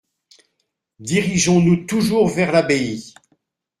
Dirigeons-nous toujours vers l'abbaye.